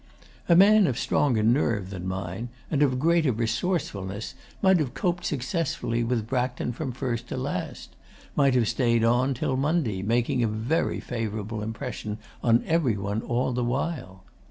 A man of stronger nerve than mine, and of greater resourcefulness, might have coped successfully with Braxton from first to last might have stayed on till Monday, making a very favourable impression on every one all the while.